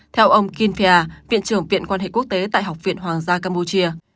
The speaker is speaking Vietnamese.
theo ông kimfia viện trưởng viện quan hệ quốc tế tại học viện hoàng gia campuchia